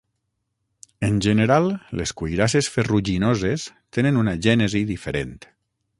En general, les cuirasses ferruginoses tenen una gènesi diferent.